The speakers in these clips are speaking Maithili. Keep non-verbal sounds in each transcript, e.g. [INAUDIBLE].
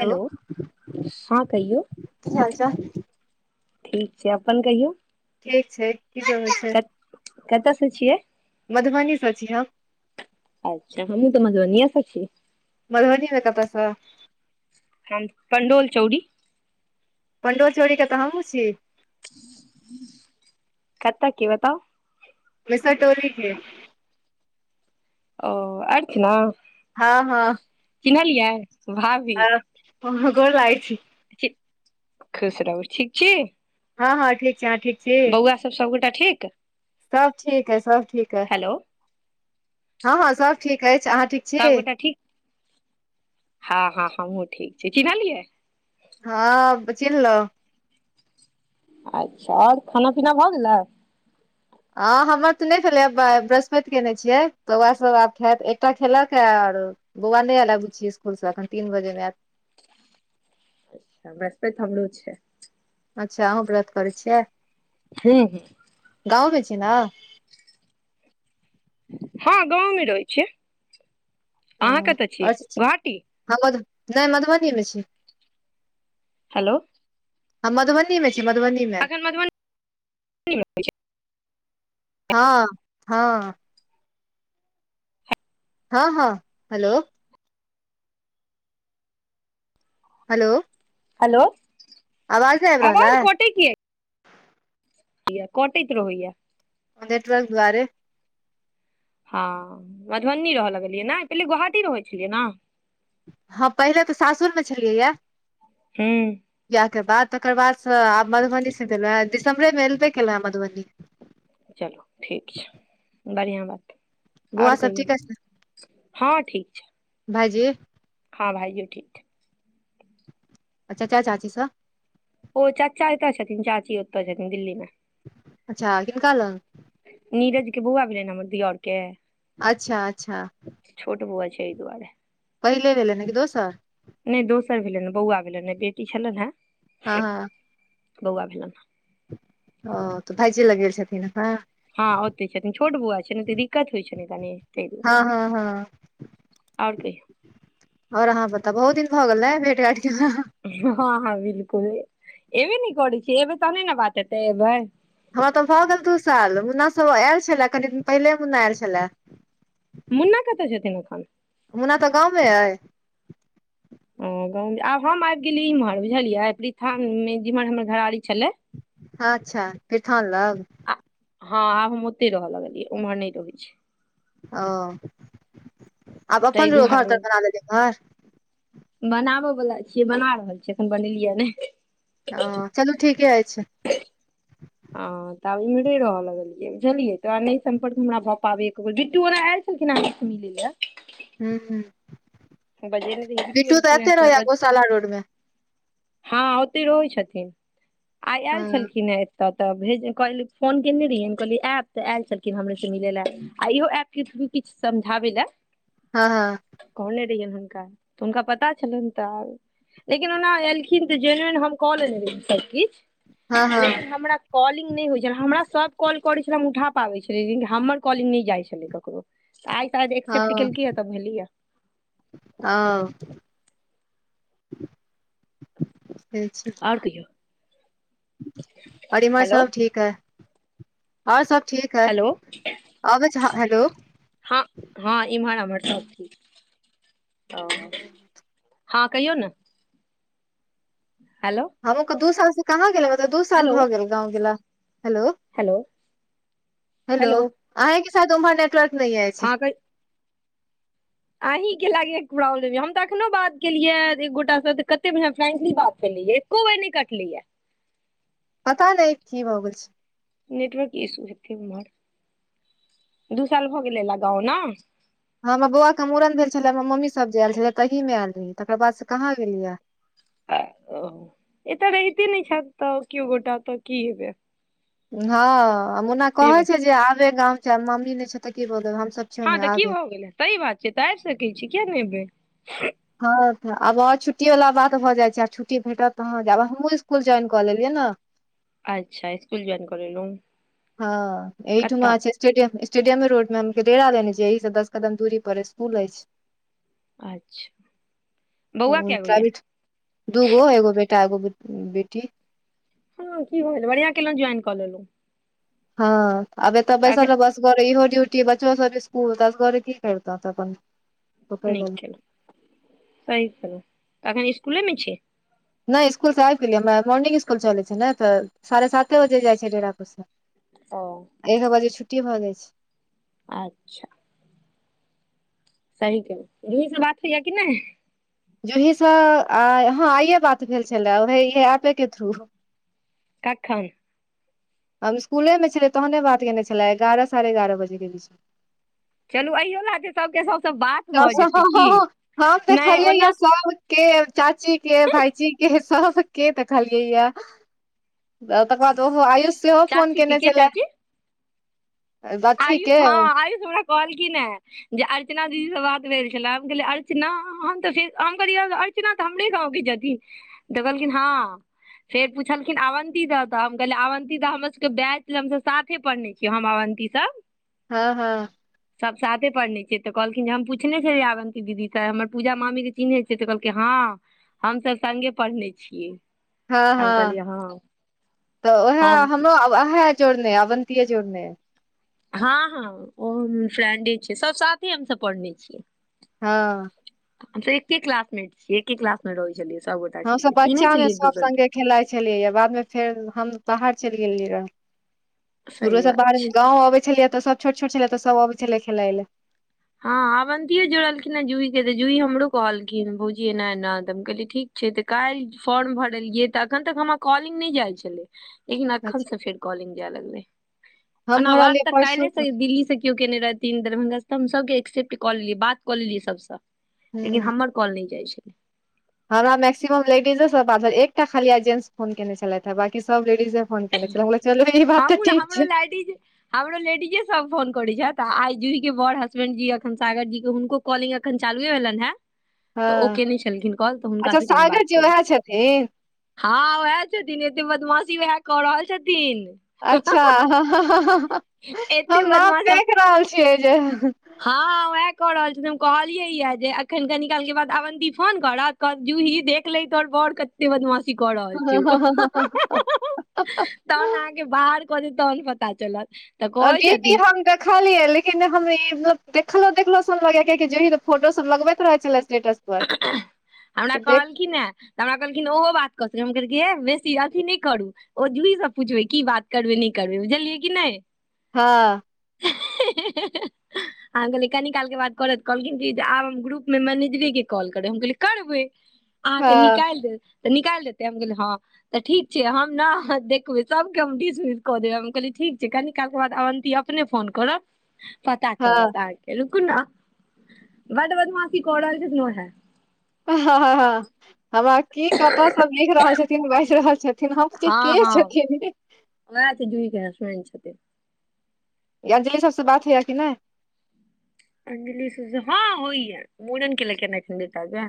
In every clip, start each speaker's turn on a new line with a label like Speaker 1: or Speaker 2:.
Speaker 1: हेलो हा कहियौ
Speaker 2: की हाल चाल
Speaker 1: ठीक छै अपन कहियौ
Speaker 2: ठीक छै की सब होइ
Speaker 1: कत कतय से छियै
Speaker 2: मधुबनीसँ छी हम
Speaker 1: अच्छा हमहूँ तऽ मधुबनीय स छी
Speaker 2: मधुबनीमे कतसँ
Speaker 1: हम पणडोल चौड़ी
Speaker 2: पण्डोलचोड़ी के तऽ हमहुँ छी
Speaker 1: कतऽ के बताउ
Speaker 2: मिसरटोली के
Speaker 1: ओ अछि न
Speaker 2: हँ हँ
Speaker 1: चिन्हलिए
Speaker 2: आ ह ह गोर लगइ छी
Speaker 1: खुश रहू ठीक छी
Speaker 2: हँ हँ ठीक छै ठीक छी
Speaker 1: बौआ सब सबगोटा ठीक
Speaker 2: सब ठीक है सब ठीक है
Speaker 1: हेलो
Speaker 2: हँ हँ सब ठीक अछि अहाँ ठीक छी
Speaker 1: सबगोटा ठीक हँ हँ हमहुँ ठीक छी चन्हलियै
Speaker 2: हँ चिन्हलो
Speaker 1: अच्छा आओर खाना पीना भऽ गेलै
Speaker 2: हँ हमर तऽ नहि भेलै बृहस्पति केयने छियै तऽ ओह सब आब खायत एकटा खेलक ह आरो बौआ नहि अयलै बुच्ची स्कुल से एखन तीन बजेमे आयत
Speaker 1: अच्छा ब्रहस्पैत हमरो छै
Speaker 2: अच्छा अहु व्रत करै छियै
Speaker 1: हूँ हुँ
Speaker 2: गाँवमे छी नऽ
Speaker 1: हँ गाँम मे रहै छै
Speaker 2: [UNINTELLIGIBLE] हँ आओर
Speaker 1: गोहाटी
Speaker 2: हँ मध नहि मधुबनीमे छी
Speaker 1: हेलो
Speaker 2: हम मधुबनी मे छी मधुबनी मे
Speaker 1: मधुबनी छै [UNINTELLIGIBLE]
Speaker 2: हँ हँ हँ हँ हेलो हलो
Speaker 1: हलो
Speaker 2: आवाज नइ आबि रहल है
Speaker 1: कटैत रहैया
Speaker 2: नेटवर्क दुआरे
Speaker 1: हँ मधुबनी रहय लगलियै नैय पहिले गुवहटी रहै छलियै न
Speaker 2: हँ पहिले तऽ सासुर मे छलियै य
Speaker 1: हूँ
Speaker 2: बिहके बाद तकर बादसँ आब मधुबनी से गेल हँ दिसम्बरेमे एयबे केलहु हँ मधुबनी
Speaker 1: चलू ठीक छै बढ़िआँ बात
Speaker 2: बोआ
Speaker 1: आओर
Speaker 2: सब
Speaker 1: कहियौ
Speaker 2: ठीक आछि नऽ
Speaker 1: हँ ठीक छै
Speaker 2: भाईजी
Speaker 1: हँ भाईजीयो ठीक छै
Speaker 2: आ चचा चाची सब
Speaker 1: ओ चाचा ए तऽ छथिन चाची ओतऽ छथिन दिल्लीमे
Speaker 2: अच्छा किनका लग
Speaker 1: नीरज के बौआ भेलैए न हमर दियौर के
Speaker 2: अच्छा अच्छा
Speaker 1: छोट बुआ छै एहि दुआरे
Speaker 2: पहिले भेलै न कि दोसर
Speaker 1: नहि दोसर भेलनि ने बौआ भेलै ने बेटी छलनि हे
Speaker 2: हँ
Speaker 1: बौआ भेलनि हन
Speaker 2: ओ तऽ भाईजी लग गेल छथिन हँ
Speaker 1: हँ ओते छथिन छोट बौआ छै ने त दिक्कत होइ छै ने कनि तेय दुआरे
Speaker 2: हँ हँ हँ
Speaker 1: आओर कहीयो
Speaker 2: और अहाँ बताबु बहुत दिन भऽ गेल है भेट घाट केला
Speaker 1: हँ हँ बिल्कुल एबे ने करै छ एबै तहने ने बात हेतै एबै
Speaker 2: हमरा तऽ भऽ गेल दू साल मुन्ना सभ ओ आयल छलए कनि दिन पहिले मुन्ना आयल छलए
Speaker 1: मुन्ना कतऽ छथिन एखन
Speaker 2: मुना तऽ गाँवमे अइ
Speaker 1: ओ ग आब हम आबि गेली इमहर बुझलियै प्रीथामे जेमहर हमर घरारी छले
Speaker 2: अच्छा फर ठान लगाउ
Speaker 1: आ हँ आब हम ओते रहय लगलियै उम्हर नइ रहै छियै
Speaker 2: ओ आ
Speaker 1: ताहि
Speaker 2: अपन घर तर बना लेलिए घर
Speaker 1: बनाब बला छियै बना रहल छियै एखन बनेलियै ने
Speaker 2: हं चलू ठीके अछि
Speaker 1: ह तऽब इमरे रहय लगलियै बुझलियै तोरा नहि सम्पर्क हमरा भऽ पाब एको बेर बटूरा अछि कि नहि त म लिल ला [UNINTELLIGIBLE]
Speaker 2: ह ह
Speaker 1: बजेने रहियै
Speaker 2: बिट्टू तऽ
Speaker 1: एलखिन हँ
Speaker 2: एते रहैय गोशाला रोड मे
Speaker 1: हँ ओते रहै छथिन आइ आयल
Speaker 2: हँ
Speaker 1: छलखिन हेँ तऽ तऽ भेजल फोन कयने रहियैनि कहलै आयब तऽ आयल छलखिन हमरेसँ मिलै लए आ इहो ऐप के थ्रू किछु समझाबै लए
Speaker 2: हँ हँ
Speaker 1: कहने रहियनि हुनका तऽ हुनका पता छलनि तऽ लेकिन ओना एलखिन तऽ जेनुन हम कऽ लेने रह
Speaker 2: हँ
Speaker 1: सभकिछु लेकिन हमरा कॉलिंग नहि होइत छल हमरा सभ कॉल करै छले हम उठा पाबै छलियै लेकिन हमर कॉलिंग नहि जाइ छलै ककरो आई शायद एक्सेप्ट केलकियै तब भेलियै
Speaker 2: आओ ठीक छी
Speaker 1: आओर कहियौ
Speaker 2: और एमहर
Speaker 1: हेलो
Speaker 2: सब ठीक ए और सब ठीक है
Speaker 1: हेलो
Speaker 2: आ हलो
Speaker 1: हँ हँ इम्हर अम्हर सब
Speaker 2: हूँ
Speaker 1: हँ कहियौ ने हेलो
Speaker 2: हम दू साल से कहाँ गेले दू साल
Speaker 1: हेलो
Speaker 2: भए गेल गाँव गेला हेलो
Speaker 1: हेलो
Speaker 2: हेलो अहे की साइड उमहर नेटवर्क न आय छै
Speaker 1: हँ क अहीं के लागै एक प्रॉब्लम य हम तऽ अखनो बात केलियै एक गोटा से तऽ कते बढ़िया फ्रेंकली बात केलियै कोबेनी कटलै
Speaker 2: पता नहि की भऽ गेल छै
Speaker 1: नेटवर्क इशू हेतै उमहर दू साल भए गेलै लगााव न
Speaker 2: हँ हमर बौआ के मूड़न भेल छले हमर मम्मी सब जेयल छले तही में आयल रही तकर बाद से कहाँ गेलियै
Speaker 1: आ ओ ए तऽ रहित नहि छ तऽ किओ गोटा तऽ की हेतै
Speaker 2: हँ मुना कहै
Speaker 1: बात।
Speaker 2: छै जे आबे गाँव छै मम्मी नहि छै तऽ की बोलब हमसभ छियौ
Speaker 1: हँ
Speaker 2: ने
Speaker 1: तऽ की
Speaker 2: आबे
Speaker 1: भऽ गेलै सही बात छै तऽ आबि सकै छी किया नहि एबै
Speaker 2: हँ तऽ आब और छुट्टी बाला बात भ जाइ छै आ छुट्टी भेटत तहाँ जाएब अब हुंओ स्कुल ज्वाइन कऽ लेलियै ने
Speaker 1: अच्छा इसकुल जॉवईन कलेलु
Speaker 2: हँ एहिठमा छै स्टेडियम स्टेडियमे रोड मे हम के डेरा देने छै इी से दस कदम दूरी पर स्कुल अछि
Speaker 1: अच्छा
Speaker 2: तऽ
Speaker 1: बौआ
Speaker 2: ओहि
Speaker 1: कए गो यऽ
Speaker 2: प्रइवेट दूगो एगो बेटा एगो बेटी
Speaker 1: हँ की होल बढ़िआ केलौं ज्वाइन क लेलौं
Speaker 2: हँ अब एतऽ
Speaker 1: एखन
Speaker 2: बैसल बस असगरे इहो डूटी बच्चा सब स्कूल त असगरे की करतौ अपन पकड़ि
Speaker 1: नीक
Speaker 2: लेलक
Speaker 1: खेल सही खेल एखन इसकुलेमे छी
Speaker 2: नइ सकुलसँ आबि गेलियैर मॉर्निंग स्कुल चलै छै ने तऽ साढ़े साते बजे जाइत छै डेरापरसँ
Speaker 1: ओ
Speaker 2: एक बजे छुट्टी भ जाय छै
Speaker 1: अच्छा सही क जुहीसँ बात होइया कि नै
Speaker 2: जूहीसऽ आ हँ आइे बात भेल छलेहे एपे के थ्रू
Speaker 1: कखन
Speaker 2: हम स्कूलमे छलियै तहने बात केने छेलै एगारह साढ़े एगारह बजे के बीचमे
Speaker 1: चलू अहियो लए जे सबके सबसँ बात भऽ जेतै की
Speaker 2: हँ त
Speaker 1: नहि
Speaker 2: खाले य
Speaker 1: ओना
Speaker 2: साग [UNINTELLIGIBLE] के चाची के भाइजी केह् सह्बके तऽ देखलियै या तकर बाद ओहो आयुष त फोन
Speaker 1: चाची के
Speaker 2: केने
Speaker 1: के
Speaker 2: छेलाऽ
Speaker 1: चाची आयुष हँ आयुष हमरा कहलखिन हें जे अर्चना दीदी सँ बात भेल छलै अ [UNINTELLIGIBLE] र्चनान तऽ अ चना तऽ हमरे गाँवके जती तऽ कहलखिन हँ फेर पूछलखिन आवंती द तऽ हम कहल आवन्ती त हमर सब के बैच हम सब साथे पढ़ने छियै हम अवंती त
Speaker 2: हँ हँ
Speaker 1: सब साथे पढ़ने छियै तऽ कहलखिन जे हम पूछने छै आवन्ती दीदी तऽ हमर पूजा मामी चिन्है छै तऽ कहलकै हँ हमस संगे पढ़ने छियै
Speaker 2: हँ
Speaker 1: हम
Speaker 2: हँ
Speaker 1: कहलियै
Speaker 2: तऽ उएह
Speaker 1: हम
Speaker 2: हमरो ओ हे जोड़ने अवन्तीऐ जोड़ने
Speaker 1: हँ हँ ओ हम फ्रेंडे छियै सब साथे हम सभ पढ़ने छियै
Speaker 2: हँ
Speaker 1: हम तऽ एके क्लासमेेट छियै एके क्लासमे रहै छलिए
Speaker 2: हमस बच्चामे सब सङ्गे खेलाइ छलियै बादमे फेर हम बाहर चलि गेलियै य
Speaker 1: सही
Speaker 2: शुरूएसँ
Speaker 1: बात
Speaker 2: बाहर
Speaker 1: छै
Speaker 2: गाँव अबै छलियै तऽ सभ छोट छोट छलियै तऽ सभ अबै छलियै खेलाए लए
Speaker 1: हँ अवन्तियो जोड़लखिन ह जूईी के त जूईी हमरो कहलखिन भौजी एना एना त हम कहली ठीक छै तऽ काल्हि फॉर्म भरलियै तऽ अखन तक हमर कॉलिंग नहि जाय छलै लेकिन अखन
Speaker 2: अच्छा
Speaker 1: से फेर कॅलिंग जाय लगले
Speaker 2: हम
Speaker 1: ओना बाद
Speaker 2: भरलियै
Speaker 1: तऽ
Speaker 2: परसू
Speaker 1: काल्हि से दिल्ली से कियो केने रहथिन दरभंगा स् हम सबके एक्सेप्ट कऽ लेलियै बात कऽ लेलियै सबसँ लेकिन
Speaker 2: हूँ
Speaker 1: हमर कॉल नै जाइ छै
Speaker 2: हमरा मैक्सिमम लेडीजे सब बात भेल एकटा खालिया जेंट्स फोन केने छलैथे बाकी सब लेडीजे फोन केने छले चलु ई बात त
Speaker 1: हमहूँ
Speaker 2: ठिक छै
Speaker 1: [UNINTELLIGIBLE] हमरो लेडीजे सब फोन करै छथि आ आइ जूही के बड़ हसबेंड जी अखन सागर जी के हुनको कॉलिंग अखन चालुए भेलैन हें
Speaker 2: हँ
Speaker 1: तऽ ओ कयने छलखिन कॉल तऽ
Speaker 2: अच्छा
Speaker 1: हुनकासँ कनि
Speaker 2: सागर
Speaker 1: बात
Speaker 2: जी
Speaker 1: कऽ लहु
Speaker 2: उएह छथिन
Speaker 1: हँ उएह छथिन एते बदमाशी उएह कऽ रहल छथिन
Speaker 2: अच्छा ह ह ह
Speaker 1: एते
Speaker 2: नाम
Speaker 1: बदमाशी हम-
Speaker 2: देख रहल छियै जे
Speaker 1: हँ उएह कऽ रहल छी हम कहलियै या जे एखन कनी काल के बाद आवन्ती फोन करत क जूही देख ले तोहर बोर के बदमाासी कऽ रहल छी उ हं हं हं हं तहन अहाँके बाहर कऽ दे तहन पता चलत तऽ कहै
Speaker 2: दीदी
Speaker 1: छथिन
Speaker 2: हम देखलियै ले् ई ने हम् देखलो देखलो सुन लगा [UNINTELLIGIBLE] कि फोटो सब लगबैत रहे छले स्टेटस पर
Speaker 1: [UNINTELLIGIBLE] हमरा
Speaker 2: तऽ देख
Speaker 1: कहलखिन यऽ तऽ हमरा कहलखिन ओहो बात कऽ सकै हम कहलकै हे बेसी अथी नहि करू ओ जुही सब पुछबै की बात करबै नै करबै बुझलियै कि नै
Speaker 2: ह
Speaker 1: [UNINTELLIGIBLE] अहाँकहलिये कनिकाल के बात करत कहलखिन कि जे आब हम ग्रुप मे मैनेजरे के कॉल करब करबै अहाँके
Speaker 2: हँ
Speaker 1: निकालि देब तऽ निकाल देै हम कहलिये हँ तऽ ठीक छै हम न देखबै सभके हम डिस मिस कऽ देब हम कहलियै ठीक छै कनि कालके बाद अवन्ती अप अपने फोन करत
Speaker 2: नहीं
Speaker 1: पता चलत अहाँ के रुकु नऽ बड बधमासी क रहल छथिन वहौ [INAUDIBLE]
Speaker 2: ह हमरा की कतऽ सब लिख रहल छथिन बाजि रहल छथिन हँ [UNINTELLIGIBLE] ी
Speaker 1: उहे त जुही के हसबैंड छलय
Speaker 2: ई अंजली सब से बात होइ य कि नहि
Speaker 1: अंजलि सऽ हँ होइयै मुड़न केलक न बेटा के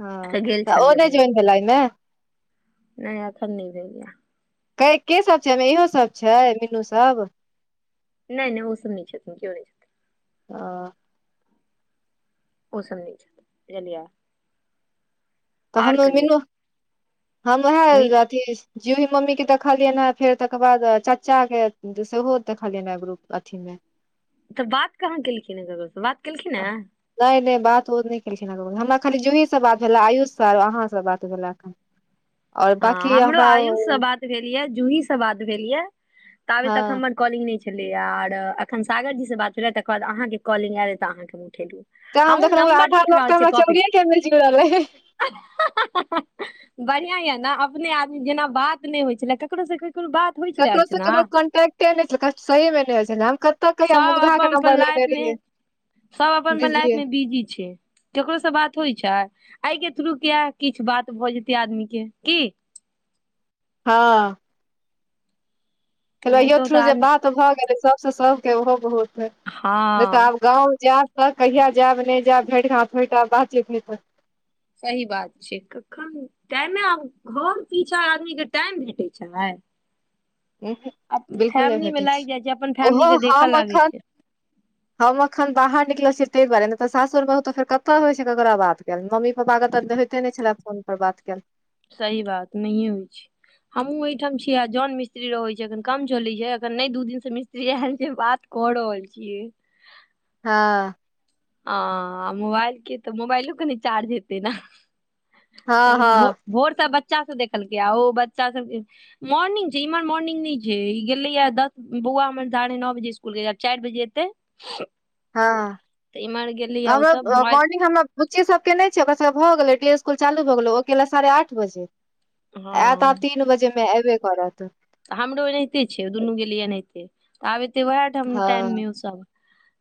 Speaker 2: हँ
Speaker 1: गेल
Speaker 2: तऽ ओ
Speaker 1: छलियै
Speaker 2: नहि
Speaker 1: मूड़न
Speaker 2: जोइन भेला अइमे
Speaker 1: नहि अखन नइ भेल य
Speaker 2: कै के सब छै एहिमे इहो सब छै मीनू सभ
Speaker 1: नहि नहि ओहो सब नहि छथिन केओ नहि
Speaker 2: ओ
Speaker 1: ओसब नहि छथि बुझलियै
Speaker 2: तऽ हम
Speaker 1: आओर कहियौ
Speaker 2: मीनू हम
Speaker 1: मी
Speaker 2: ओएह अथी जूही मम्मी के देखलियै हे फेर तकर बाद चाचाे दुसेहोतै देखली रूप अथी मे
Speaker 1: तऽ बात कहाँ केलखिन ह ककरोसँ बात केलखिन ह
Speaker 2: नहि नहि बात ओ नहि केलखिन ह केकरो हमरा खाली जूहीसँ बात भेला आयुष सँ अहाँ सँ बात भेलाक आओर
Speaker 1: हँ
Speaker 2: बकी
Speaker 1: हमरो
Speaker 2: हमरा ओ
Speaker 1: आयुषसँ बात भेल ये जूही स बाद भेल ये ताबे तक
Speaker 2: हँ
Speaker 1: हमर कॉलिंग नहि छलै आर अख सागरजीसँ बात भेल छलै तकर बाद अहाँके कॉलिंग आयल तऽ अहाँकेँ उठेलहुँ
Speaker 2: ते हम
Speaker 1: हमहूँ
Speaker 2: देखलं
Speaker 1: नम्बर
Speaker 2: आधा
Speaker 1: लिख
Speaker 2: लोक त हमरा चौरीे के मिज रहल रहे
Speaker 1: [UNINTELLIGIBLE] बढ़िआ य अपने आदमी जेना बात नहि होइ छलै ककरो स ककरो बात होइ छलै
Speaker 2: ककरो स
Speaker 1: अर्चना
Speaker 2: ककरो कोंटेक्टे नै छै क सही मे ने होय छले हम क
Speaker 1: सब अपन पर लाइफ मे सब अपन पर लाइफ
Speaker 2: बिजी
Speaker 1: मे बिजी छै केकरो से बात होइ छै एहि के थ्रू किया किछु बात भऽ जेतै आदमी के की
Speaker 2: हँ कहियो
Speaker 1: एनाहितो
Speaker 2: थ्रू
Speaker 1: तऽ
Speaker 2: जे
Speaker 1: आदमी
Speaker 2: बात भऽ गेलै सबसँ सभके ओहो बहुत है नहि तऽ
Speaker 1: हँ
Speaker 2: आब गाँव जायब त कहिआ जायब नहि जायब भेट घाट होयत बातचीत होत
Speaker 1: सही बात छै कखन टाइमे घर पीछा आदमीक के टाइम भेटैत छै
Speaker 2: उमहूं बिलकुल नहि
Speaker 1: फैमिलीमे
Speaker 2: भेटै छै
Speaker 1: लागि जाइ अपन
Speaker 2: ओहो
Speaker 1: फैमिलीके देखऽ
Speaker 2: हम
Speaker 1: लागै छै
Speaker 2: अखन हम अखन बाहर निकल छीयै ताहि बारे ने तऽ सासुर बहु त फेर कते होइ छै ककरा बात गेल मम्मी पपा केत देख होइते नहि छले फोन पर बात कयल
Speaker 1: सही बात नहिए होइत छै हमूँ एहिहिठाम छीयै आ जन मिस्त्री रहै छै एखन काम चलै छै एखन नहि दू दिन से मिस्त्री ऐहेन जे बात क रहल छीयै
Speaker 2: हँ
Speaker 1: ह मोबाइल के तऽ मोबाइलो कनि चार्ज हेते न
Speaker 2: हँ
Speaker 1: लेकिन भोड़
Speaker 2: हँ
Speaker 1: भोर सँ बच्चा सब देखलकै आ ओ बच्चा सब के मोर्निंग छै इमहर मोर्निंग नहि छै ई गेले ह दस बौआ हमर साढ़े नओ बजे स्कूल चारि बजे एते [INAUDIBLE]
Speaker 2: हँ
Speaker 1: इम्हर
Speaker 2: तऽ
Speaker 1: गेलैये ओ सब
Speaker 2: हमरो
Speaker 1: मोबाइल
Speaker 2: मॉर्निंग हमरो बुच्ची सबके के नहि छै ओकर सब भऽ गेलै डे स्कूल चालू भऽ गेलै ओ गेला साढ़े आठ बजे आयत आ
Speaker 1: हँ
Speaker 2: तीन बजेमे एयबे करत
Speaker 1: तऽ हमरो एनाहिते छै दुनू गेल लिए एनाहिते तऽ आब एतै उएह ठाम
Speaker 2: हँ
Speaker 1: टाइममे ओसभ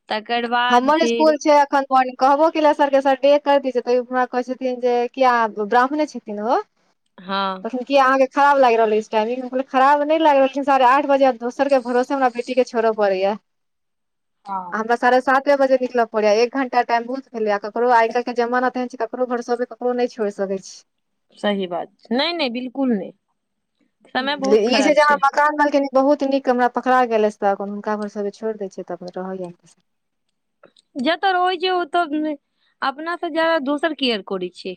Speaker 1: तकर बाद
Speaker 2: हमर स्सकुल छै एखन अपन कहबो केल सरके सर बेे कर दी छै तऽरा कहै छथिन जे किया ब्राह्मणे छथिन ओ
Speaker 1: हँ
Speaker 2: तखिन कि अहके खराब लागि रहल अछिस टाइमिंग खराब नहि लाग रहलखिन साढ़े आठ बजे दोसरके भरोसे वेट बेटी के छोड़ पड़ैया
Speaker 1: हँ
Speaker 2: हमरा साढ़े सातव बजे निकलय पड़ैया एक घंटा टाइम बहुत भेलैया ककरो आइ काल्हि जानाेन ककरो भरसबे ओ नहि छोड़ सकै छी
Speaker 1: सही बात नहि नहि बिलकुल नहि समय
Speaker 2: छी
Speaker 1: बहुत
Speaker 2: ई
Speaker 1: खराब
Speaker 2: जे हमरा
Speaker 1: छै
Speaker 2: मकान मालकनि बहुत नीक हमरा पकड़ा गेल अछि तख हुनका पर सब छोड़ि दय छियै तऽ रहैय
Speaker 1: जतऽ रहै छै ओतऽ अपना से जादा दोसर केयर करैत छै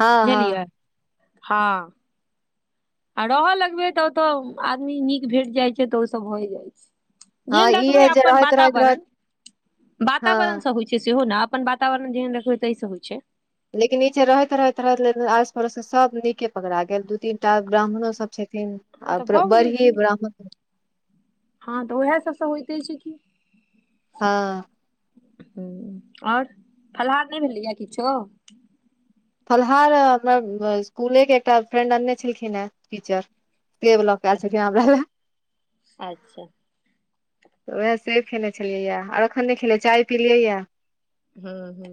Speaker 2: हँ हँ
Speaker 1: बुझलियै हँ आ रहय लगबै तऽ ओतऽ आदमी नीक भेट जाइ छै तऽ ओसभ भय जाइ छै
Speaker 2: हँ
Speaker 1: जेन
Speaker 2: ई
Speaker 1: देखबै
Speaker 2: अइ जे
Speaker 1: अपन
Speaker 2: रहैत रहैत रहैत
Speaker 1: वातावरण
Speaker 2: हँ
Speaker 1: वातावरणसँ हो सेहो ने अपन वातावरण जेहन रखबै ताहि से होइ छै
Speaker 2: लेकिन इ छय रहैत रहैत रहैत ल आस पड़ोस के सब नीके पकड़ा गेल तीन टा ब्राह्मणो सब छथिन
Speaker 1: हँ
Speaker 2: आ
Speaker 1: तऽ भऽ गेलै
Speaker 2: बढ़ी
Speaker 1: की
Speaker 2: ब्राह्मण
Speaker 1: हँ तऽ उएह सबसँ होइते छै की
Speaker 2: हँ
Speaker 1: ह आओर फलाहार नहि भेलैए किछो
Speaker 2: फलहार हमर स्कुले के एकटा फ्रेंड अनने छलखिन हे टीचर सेब लोके आएल छलखिन हमरा ला
Speaker 1: अच्छा
Speaker 2: तऽ उएह से खेने छलियै यए आर एखन नहि खेलियै चाय पिलियै यए
Speaker 1: हँ हू